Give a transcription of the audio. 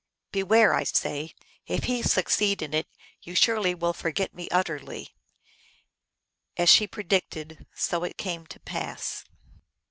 Beware, I say ; if he succeed in it, you surely will forget me ut terly." As she predicted so it came to pass.